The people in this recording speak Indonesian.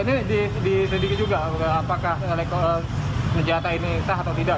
ini diduga juga apakah penjata ini sah atau tidak